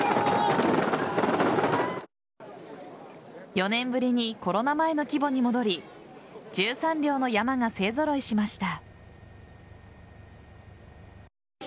４年ぶりにコロナ前の規模に戻り１３両の車山が勢揃いしました。